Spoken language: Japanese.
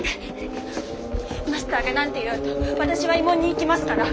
マスターが何て言おうと私は慰問に行きますから！